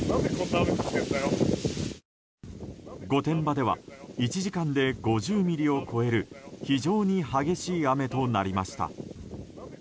御殿場では１時間で５０ミリを超える非常に激しい雨となりました。